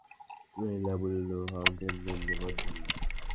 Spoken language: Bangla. লীলা বলিল, ফাউন্টেন পেন দেবার জন্যে?